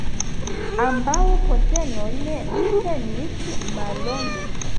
Ambaŭ postenojn li tenis mallonge.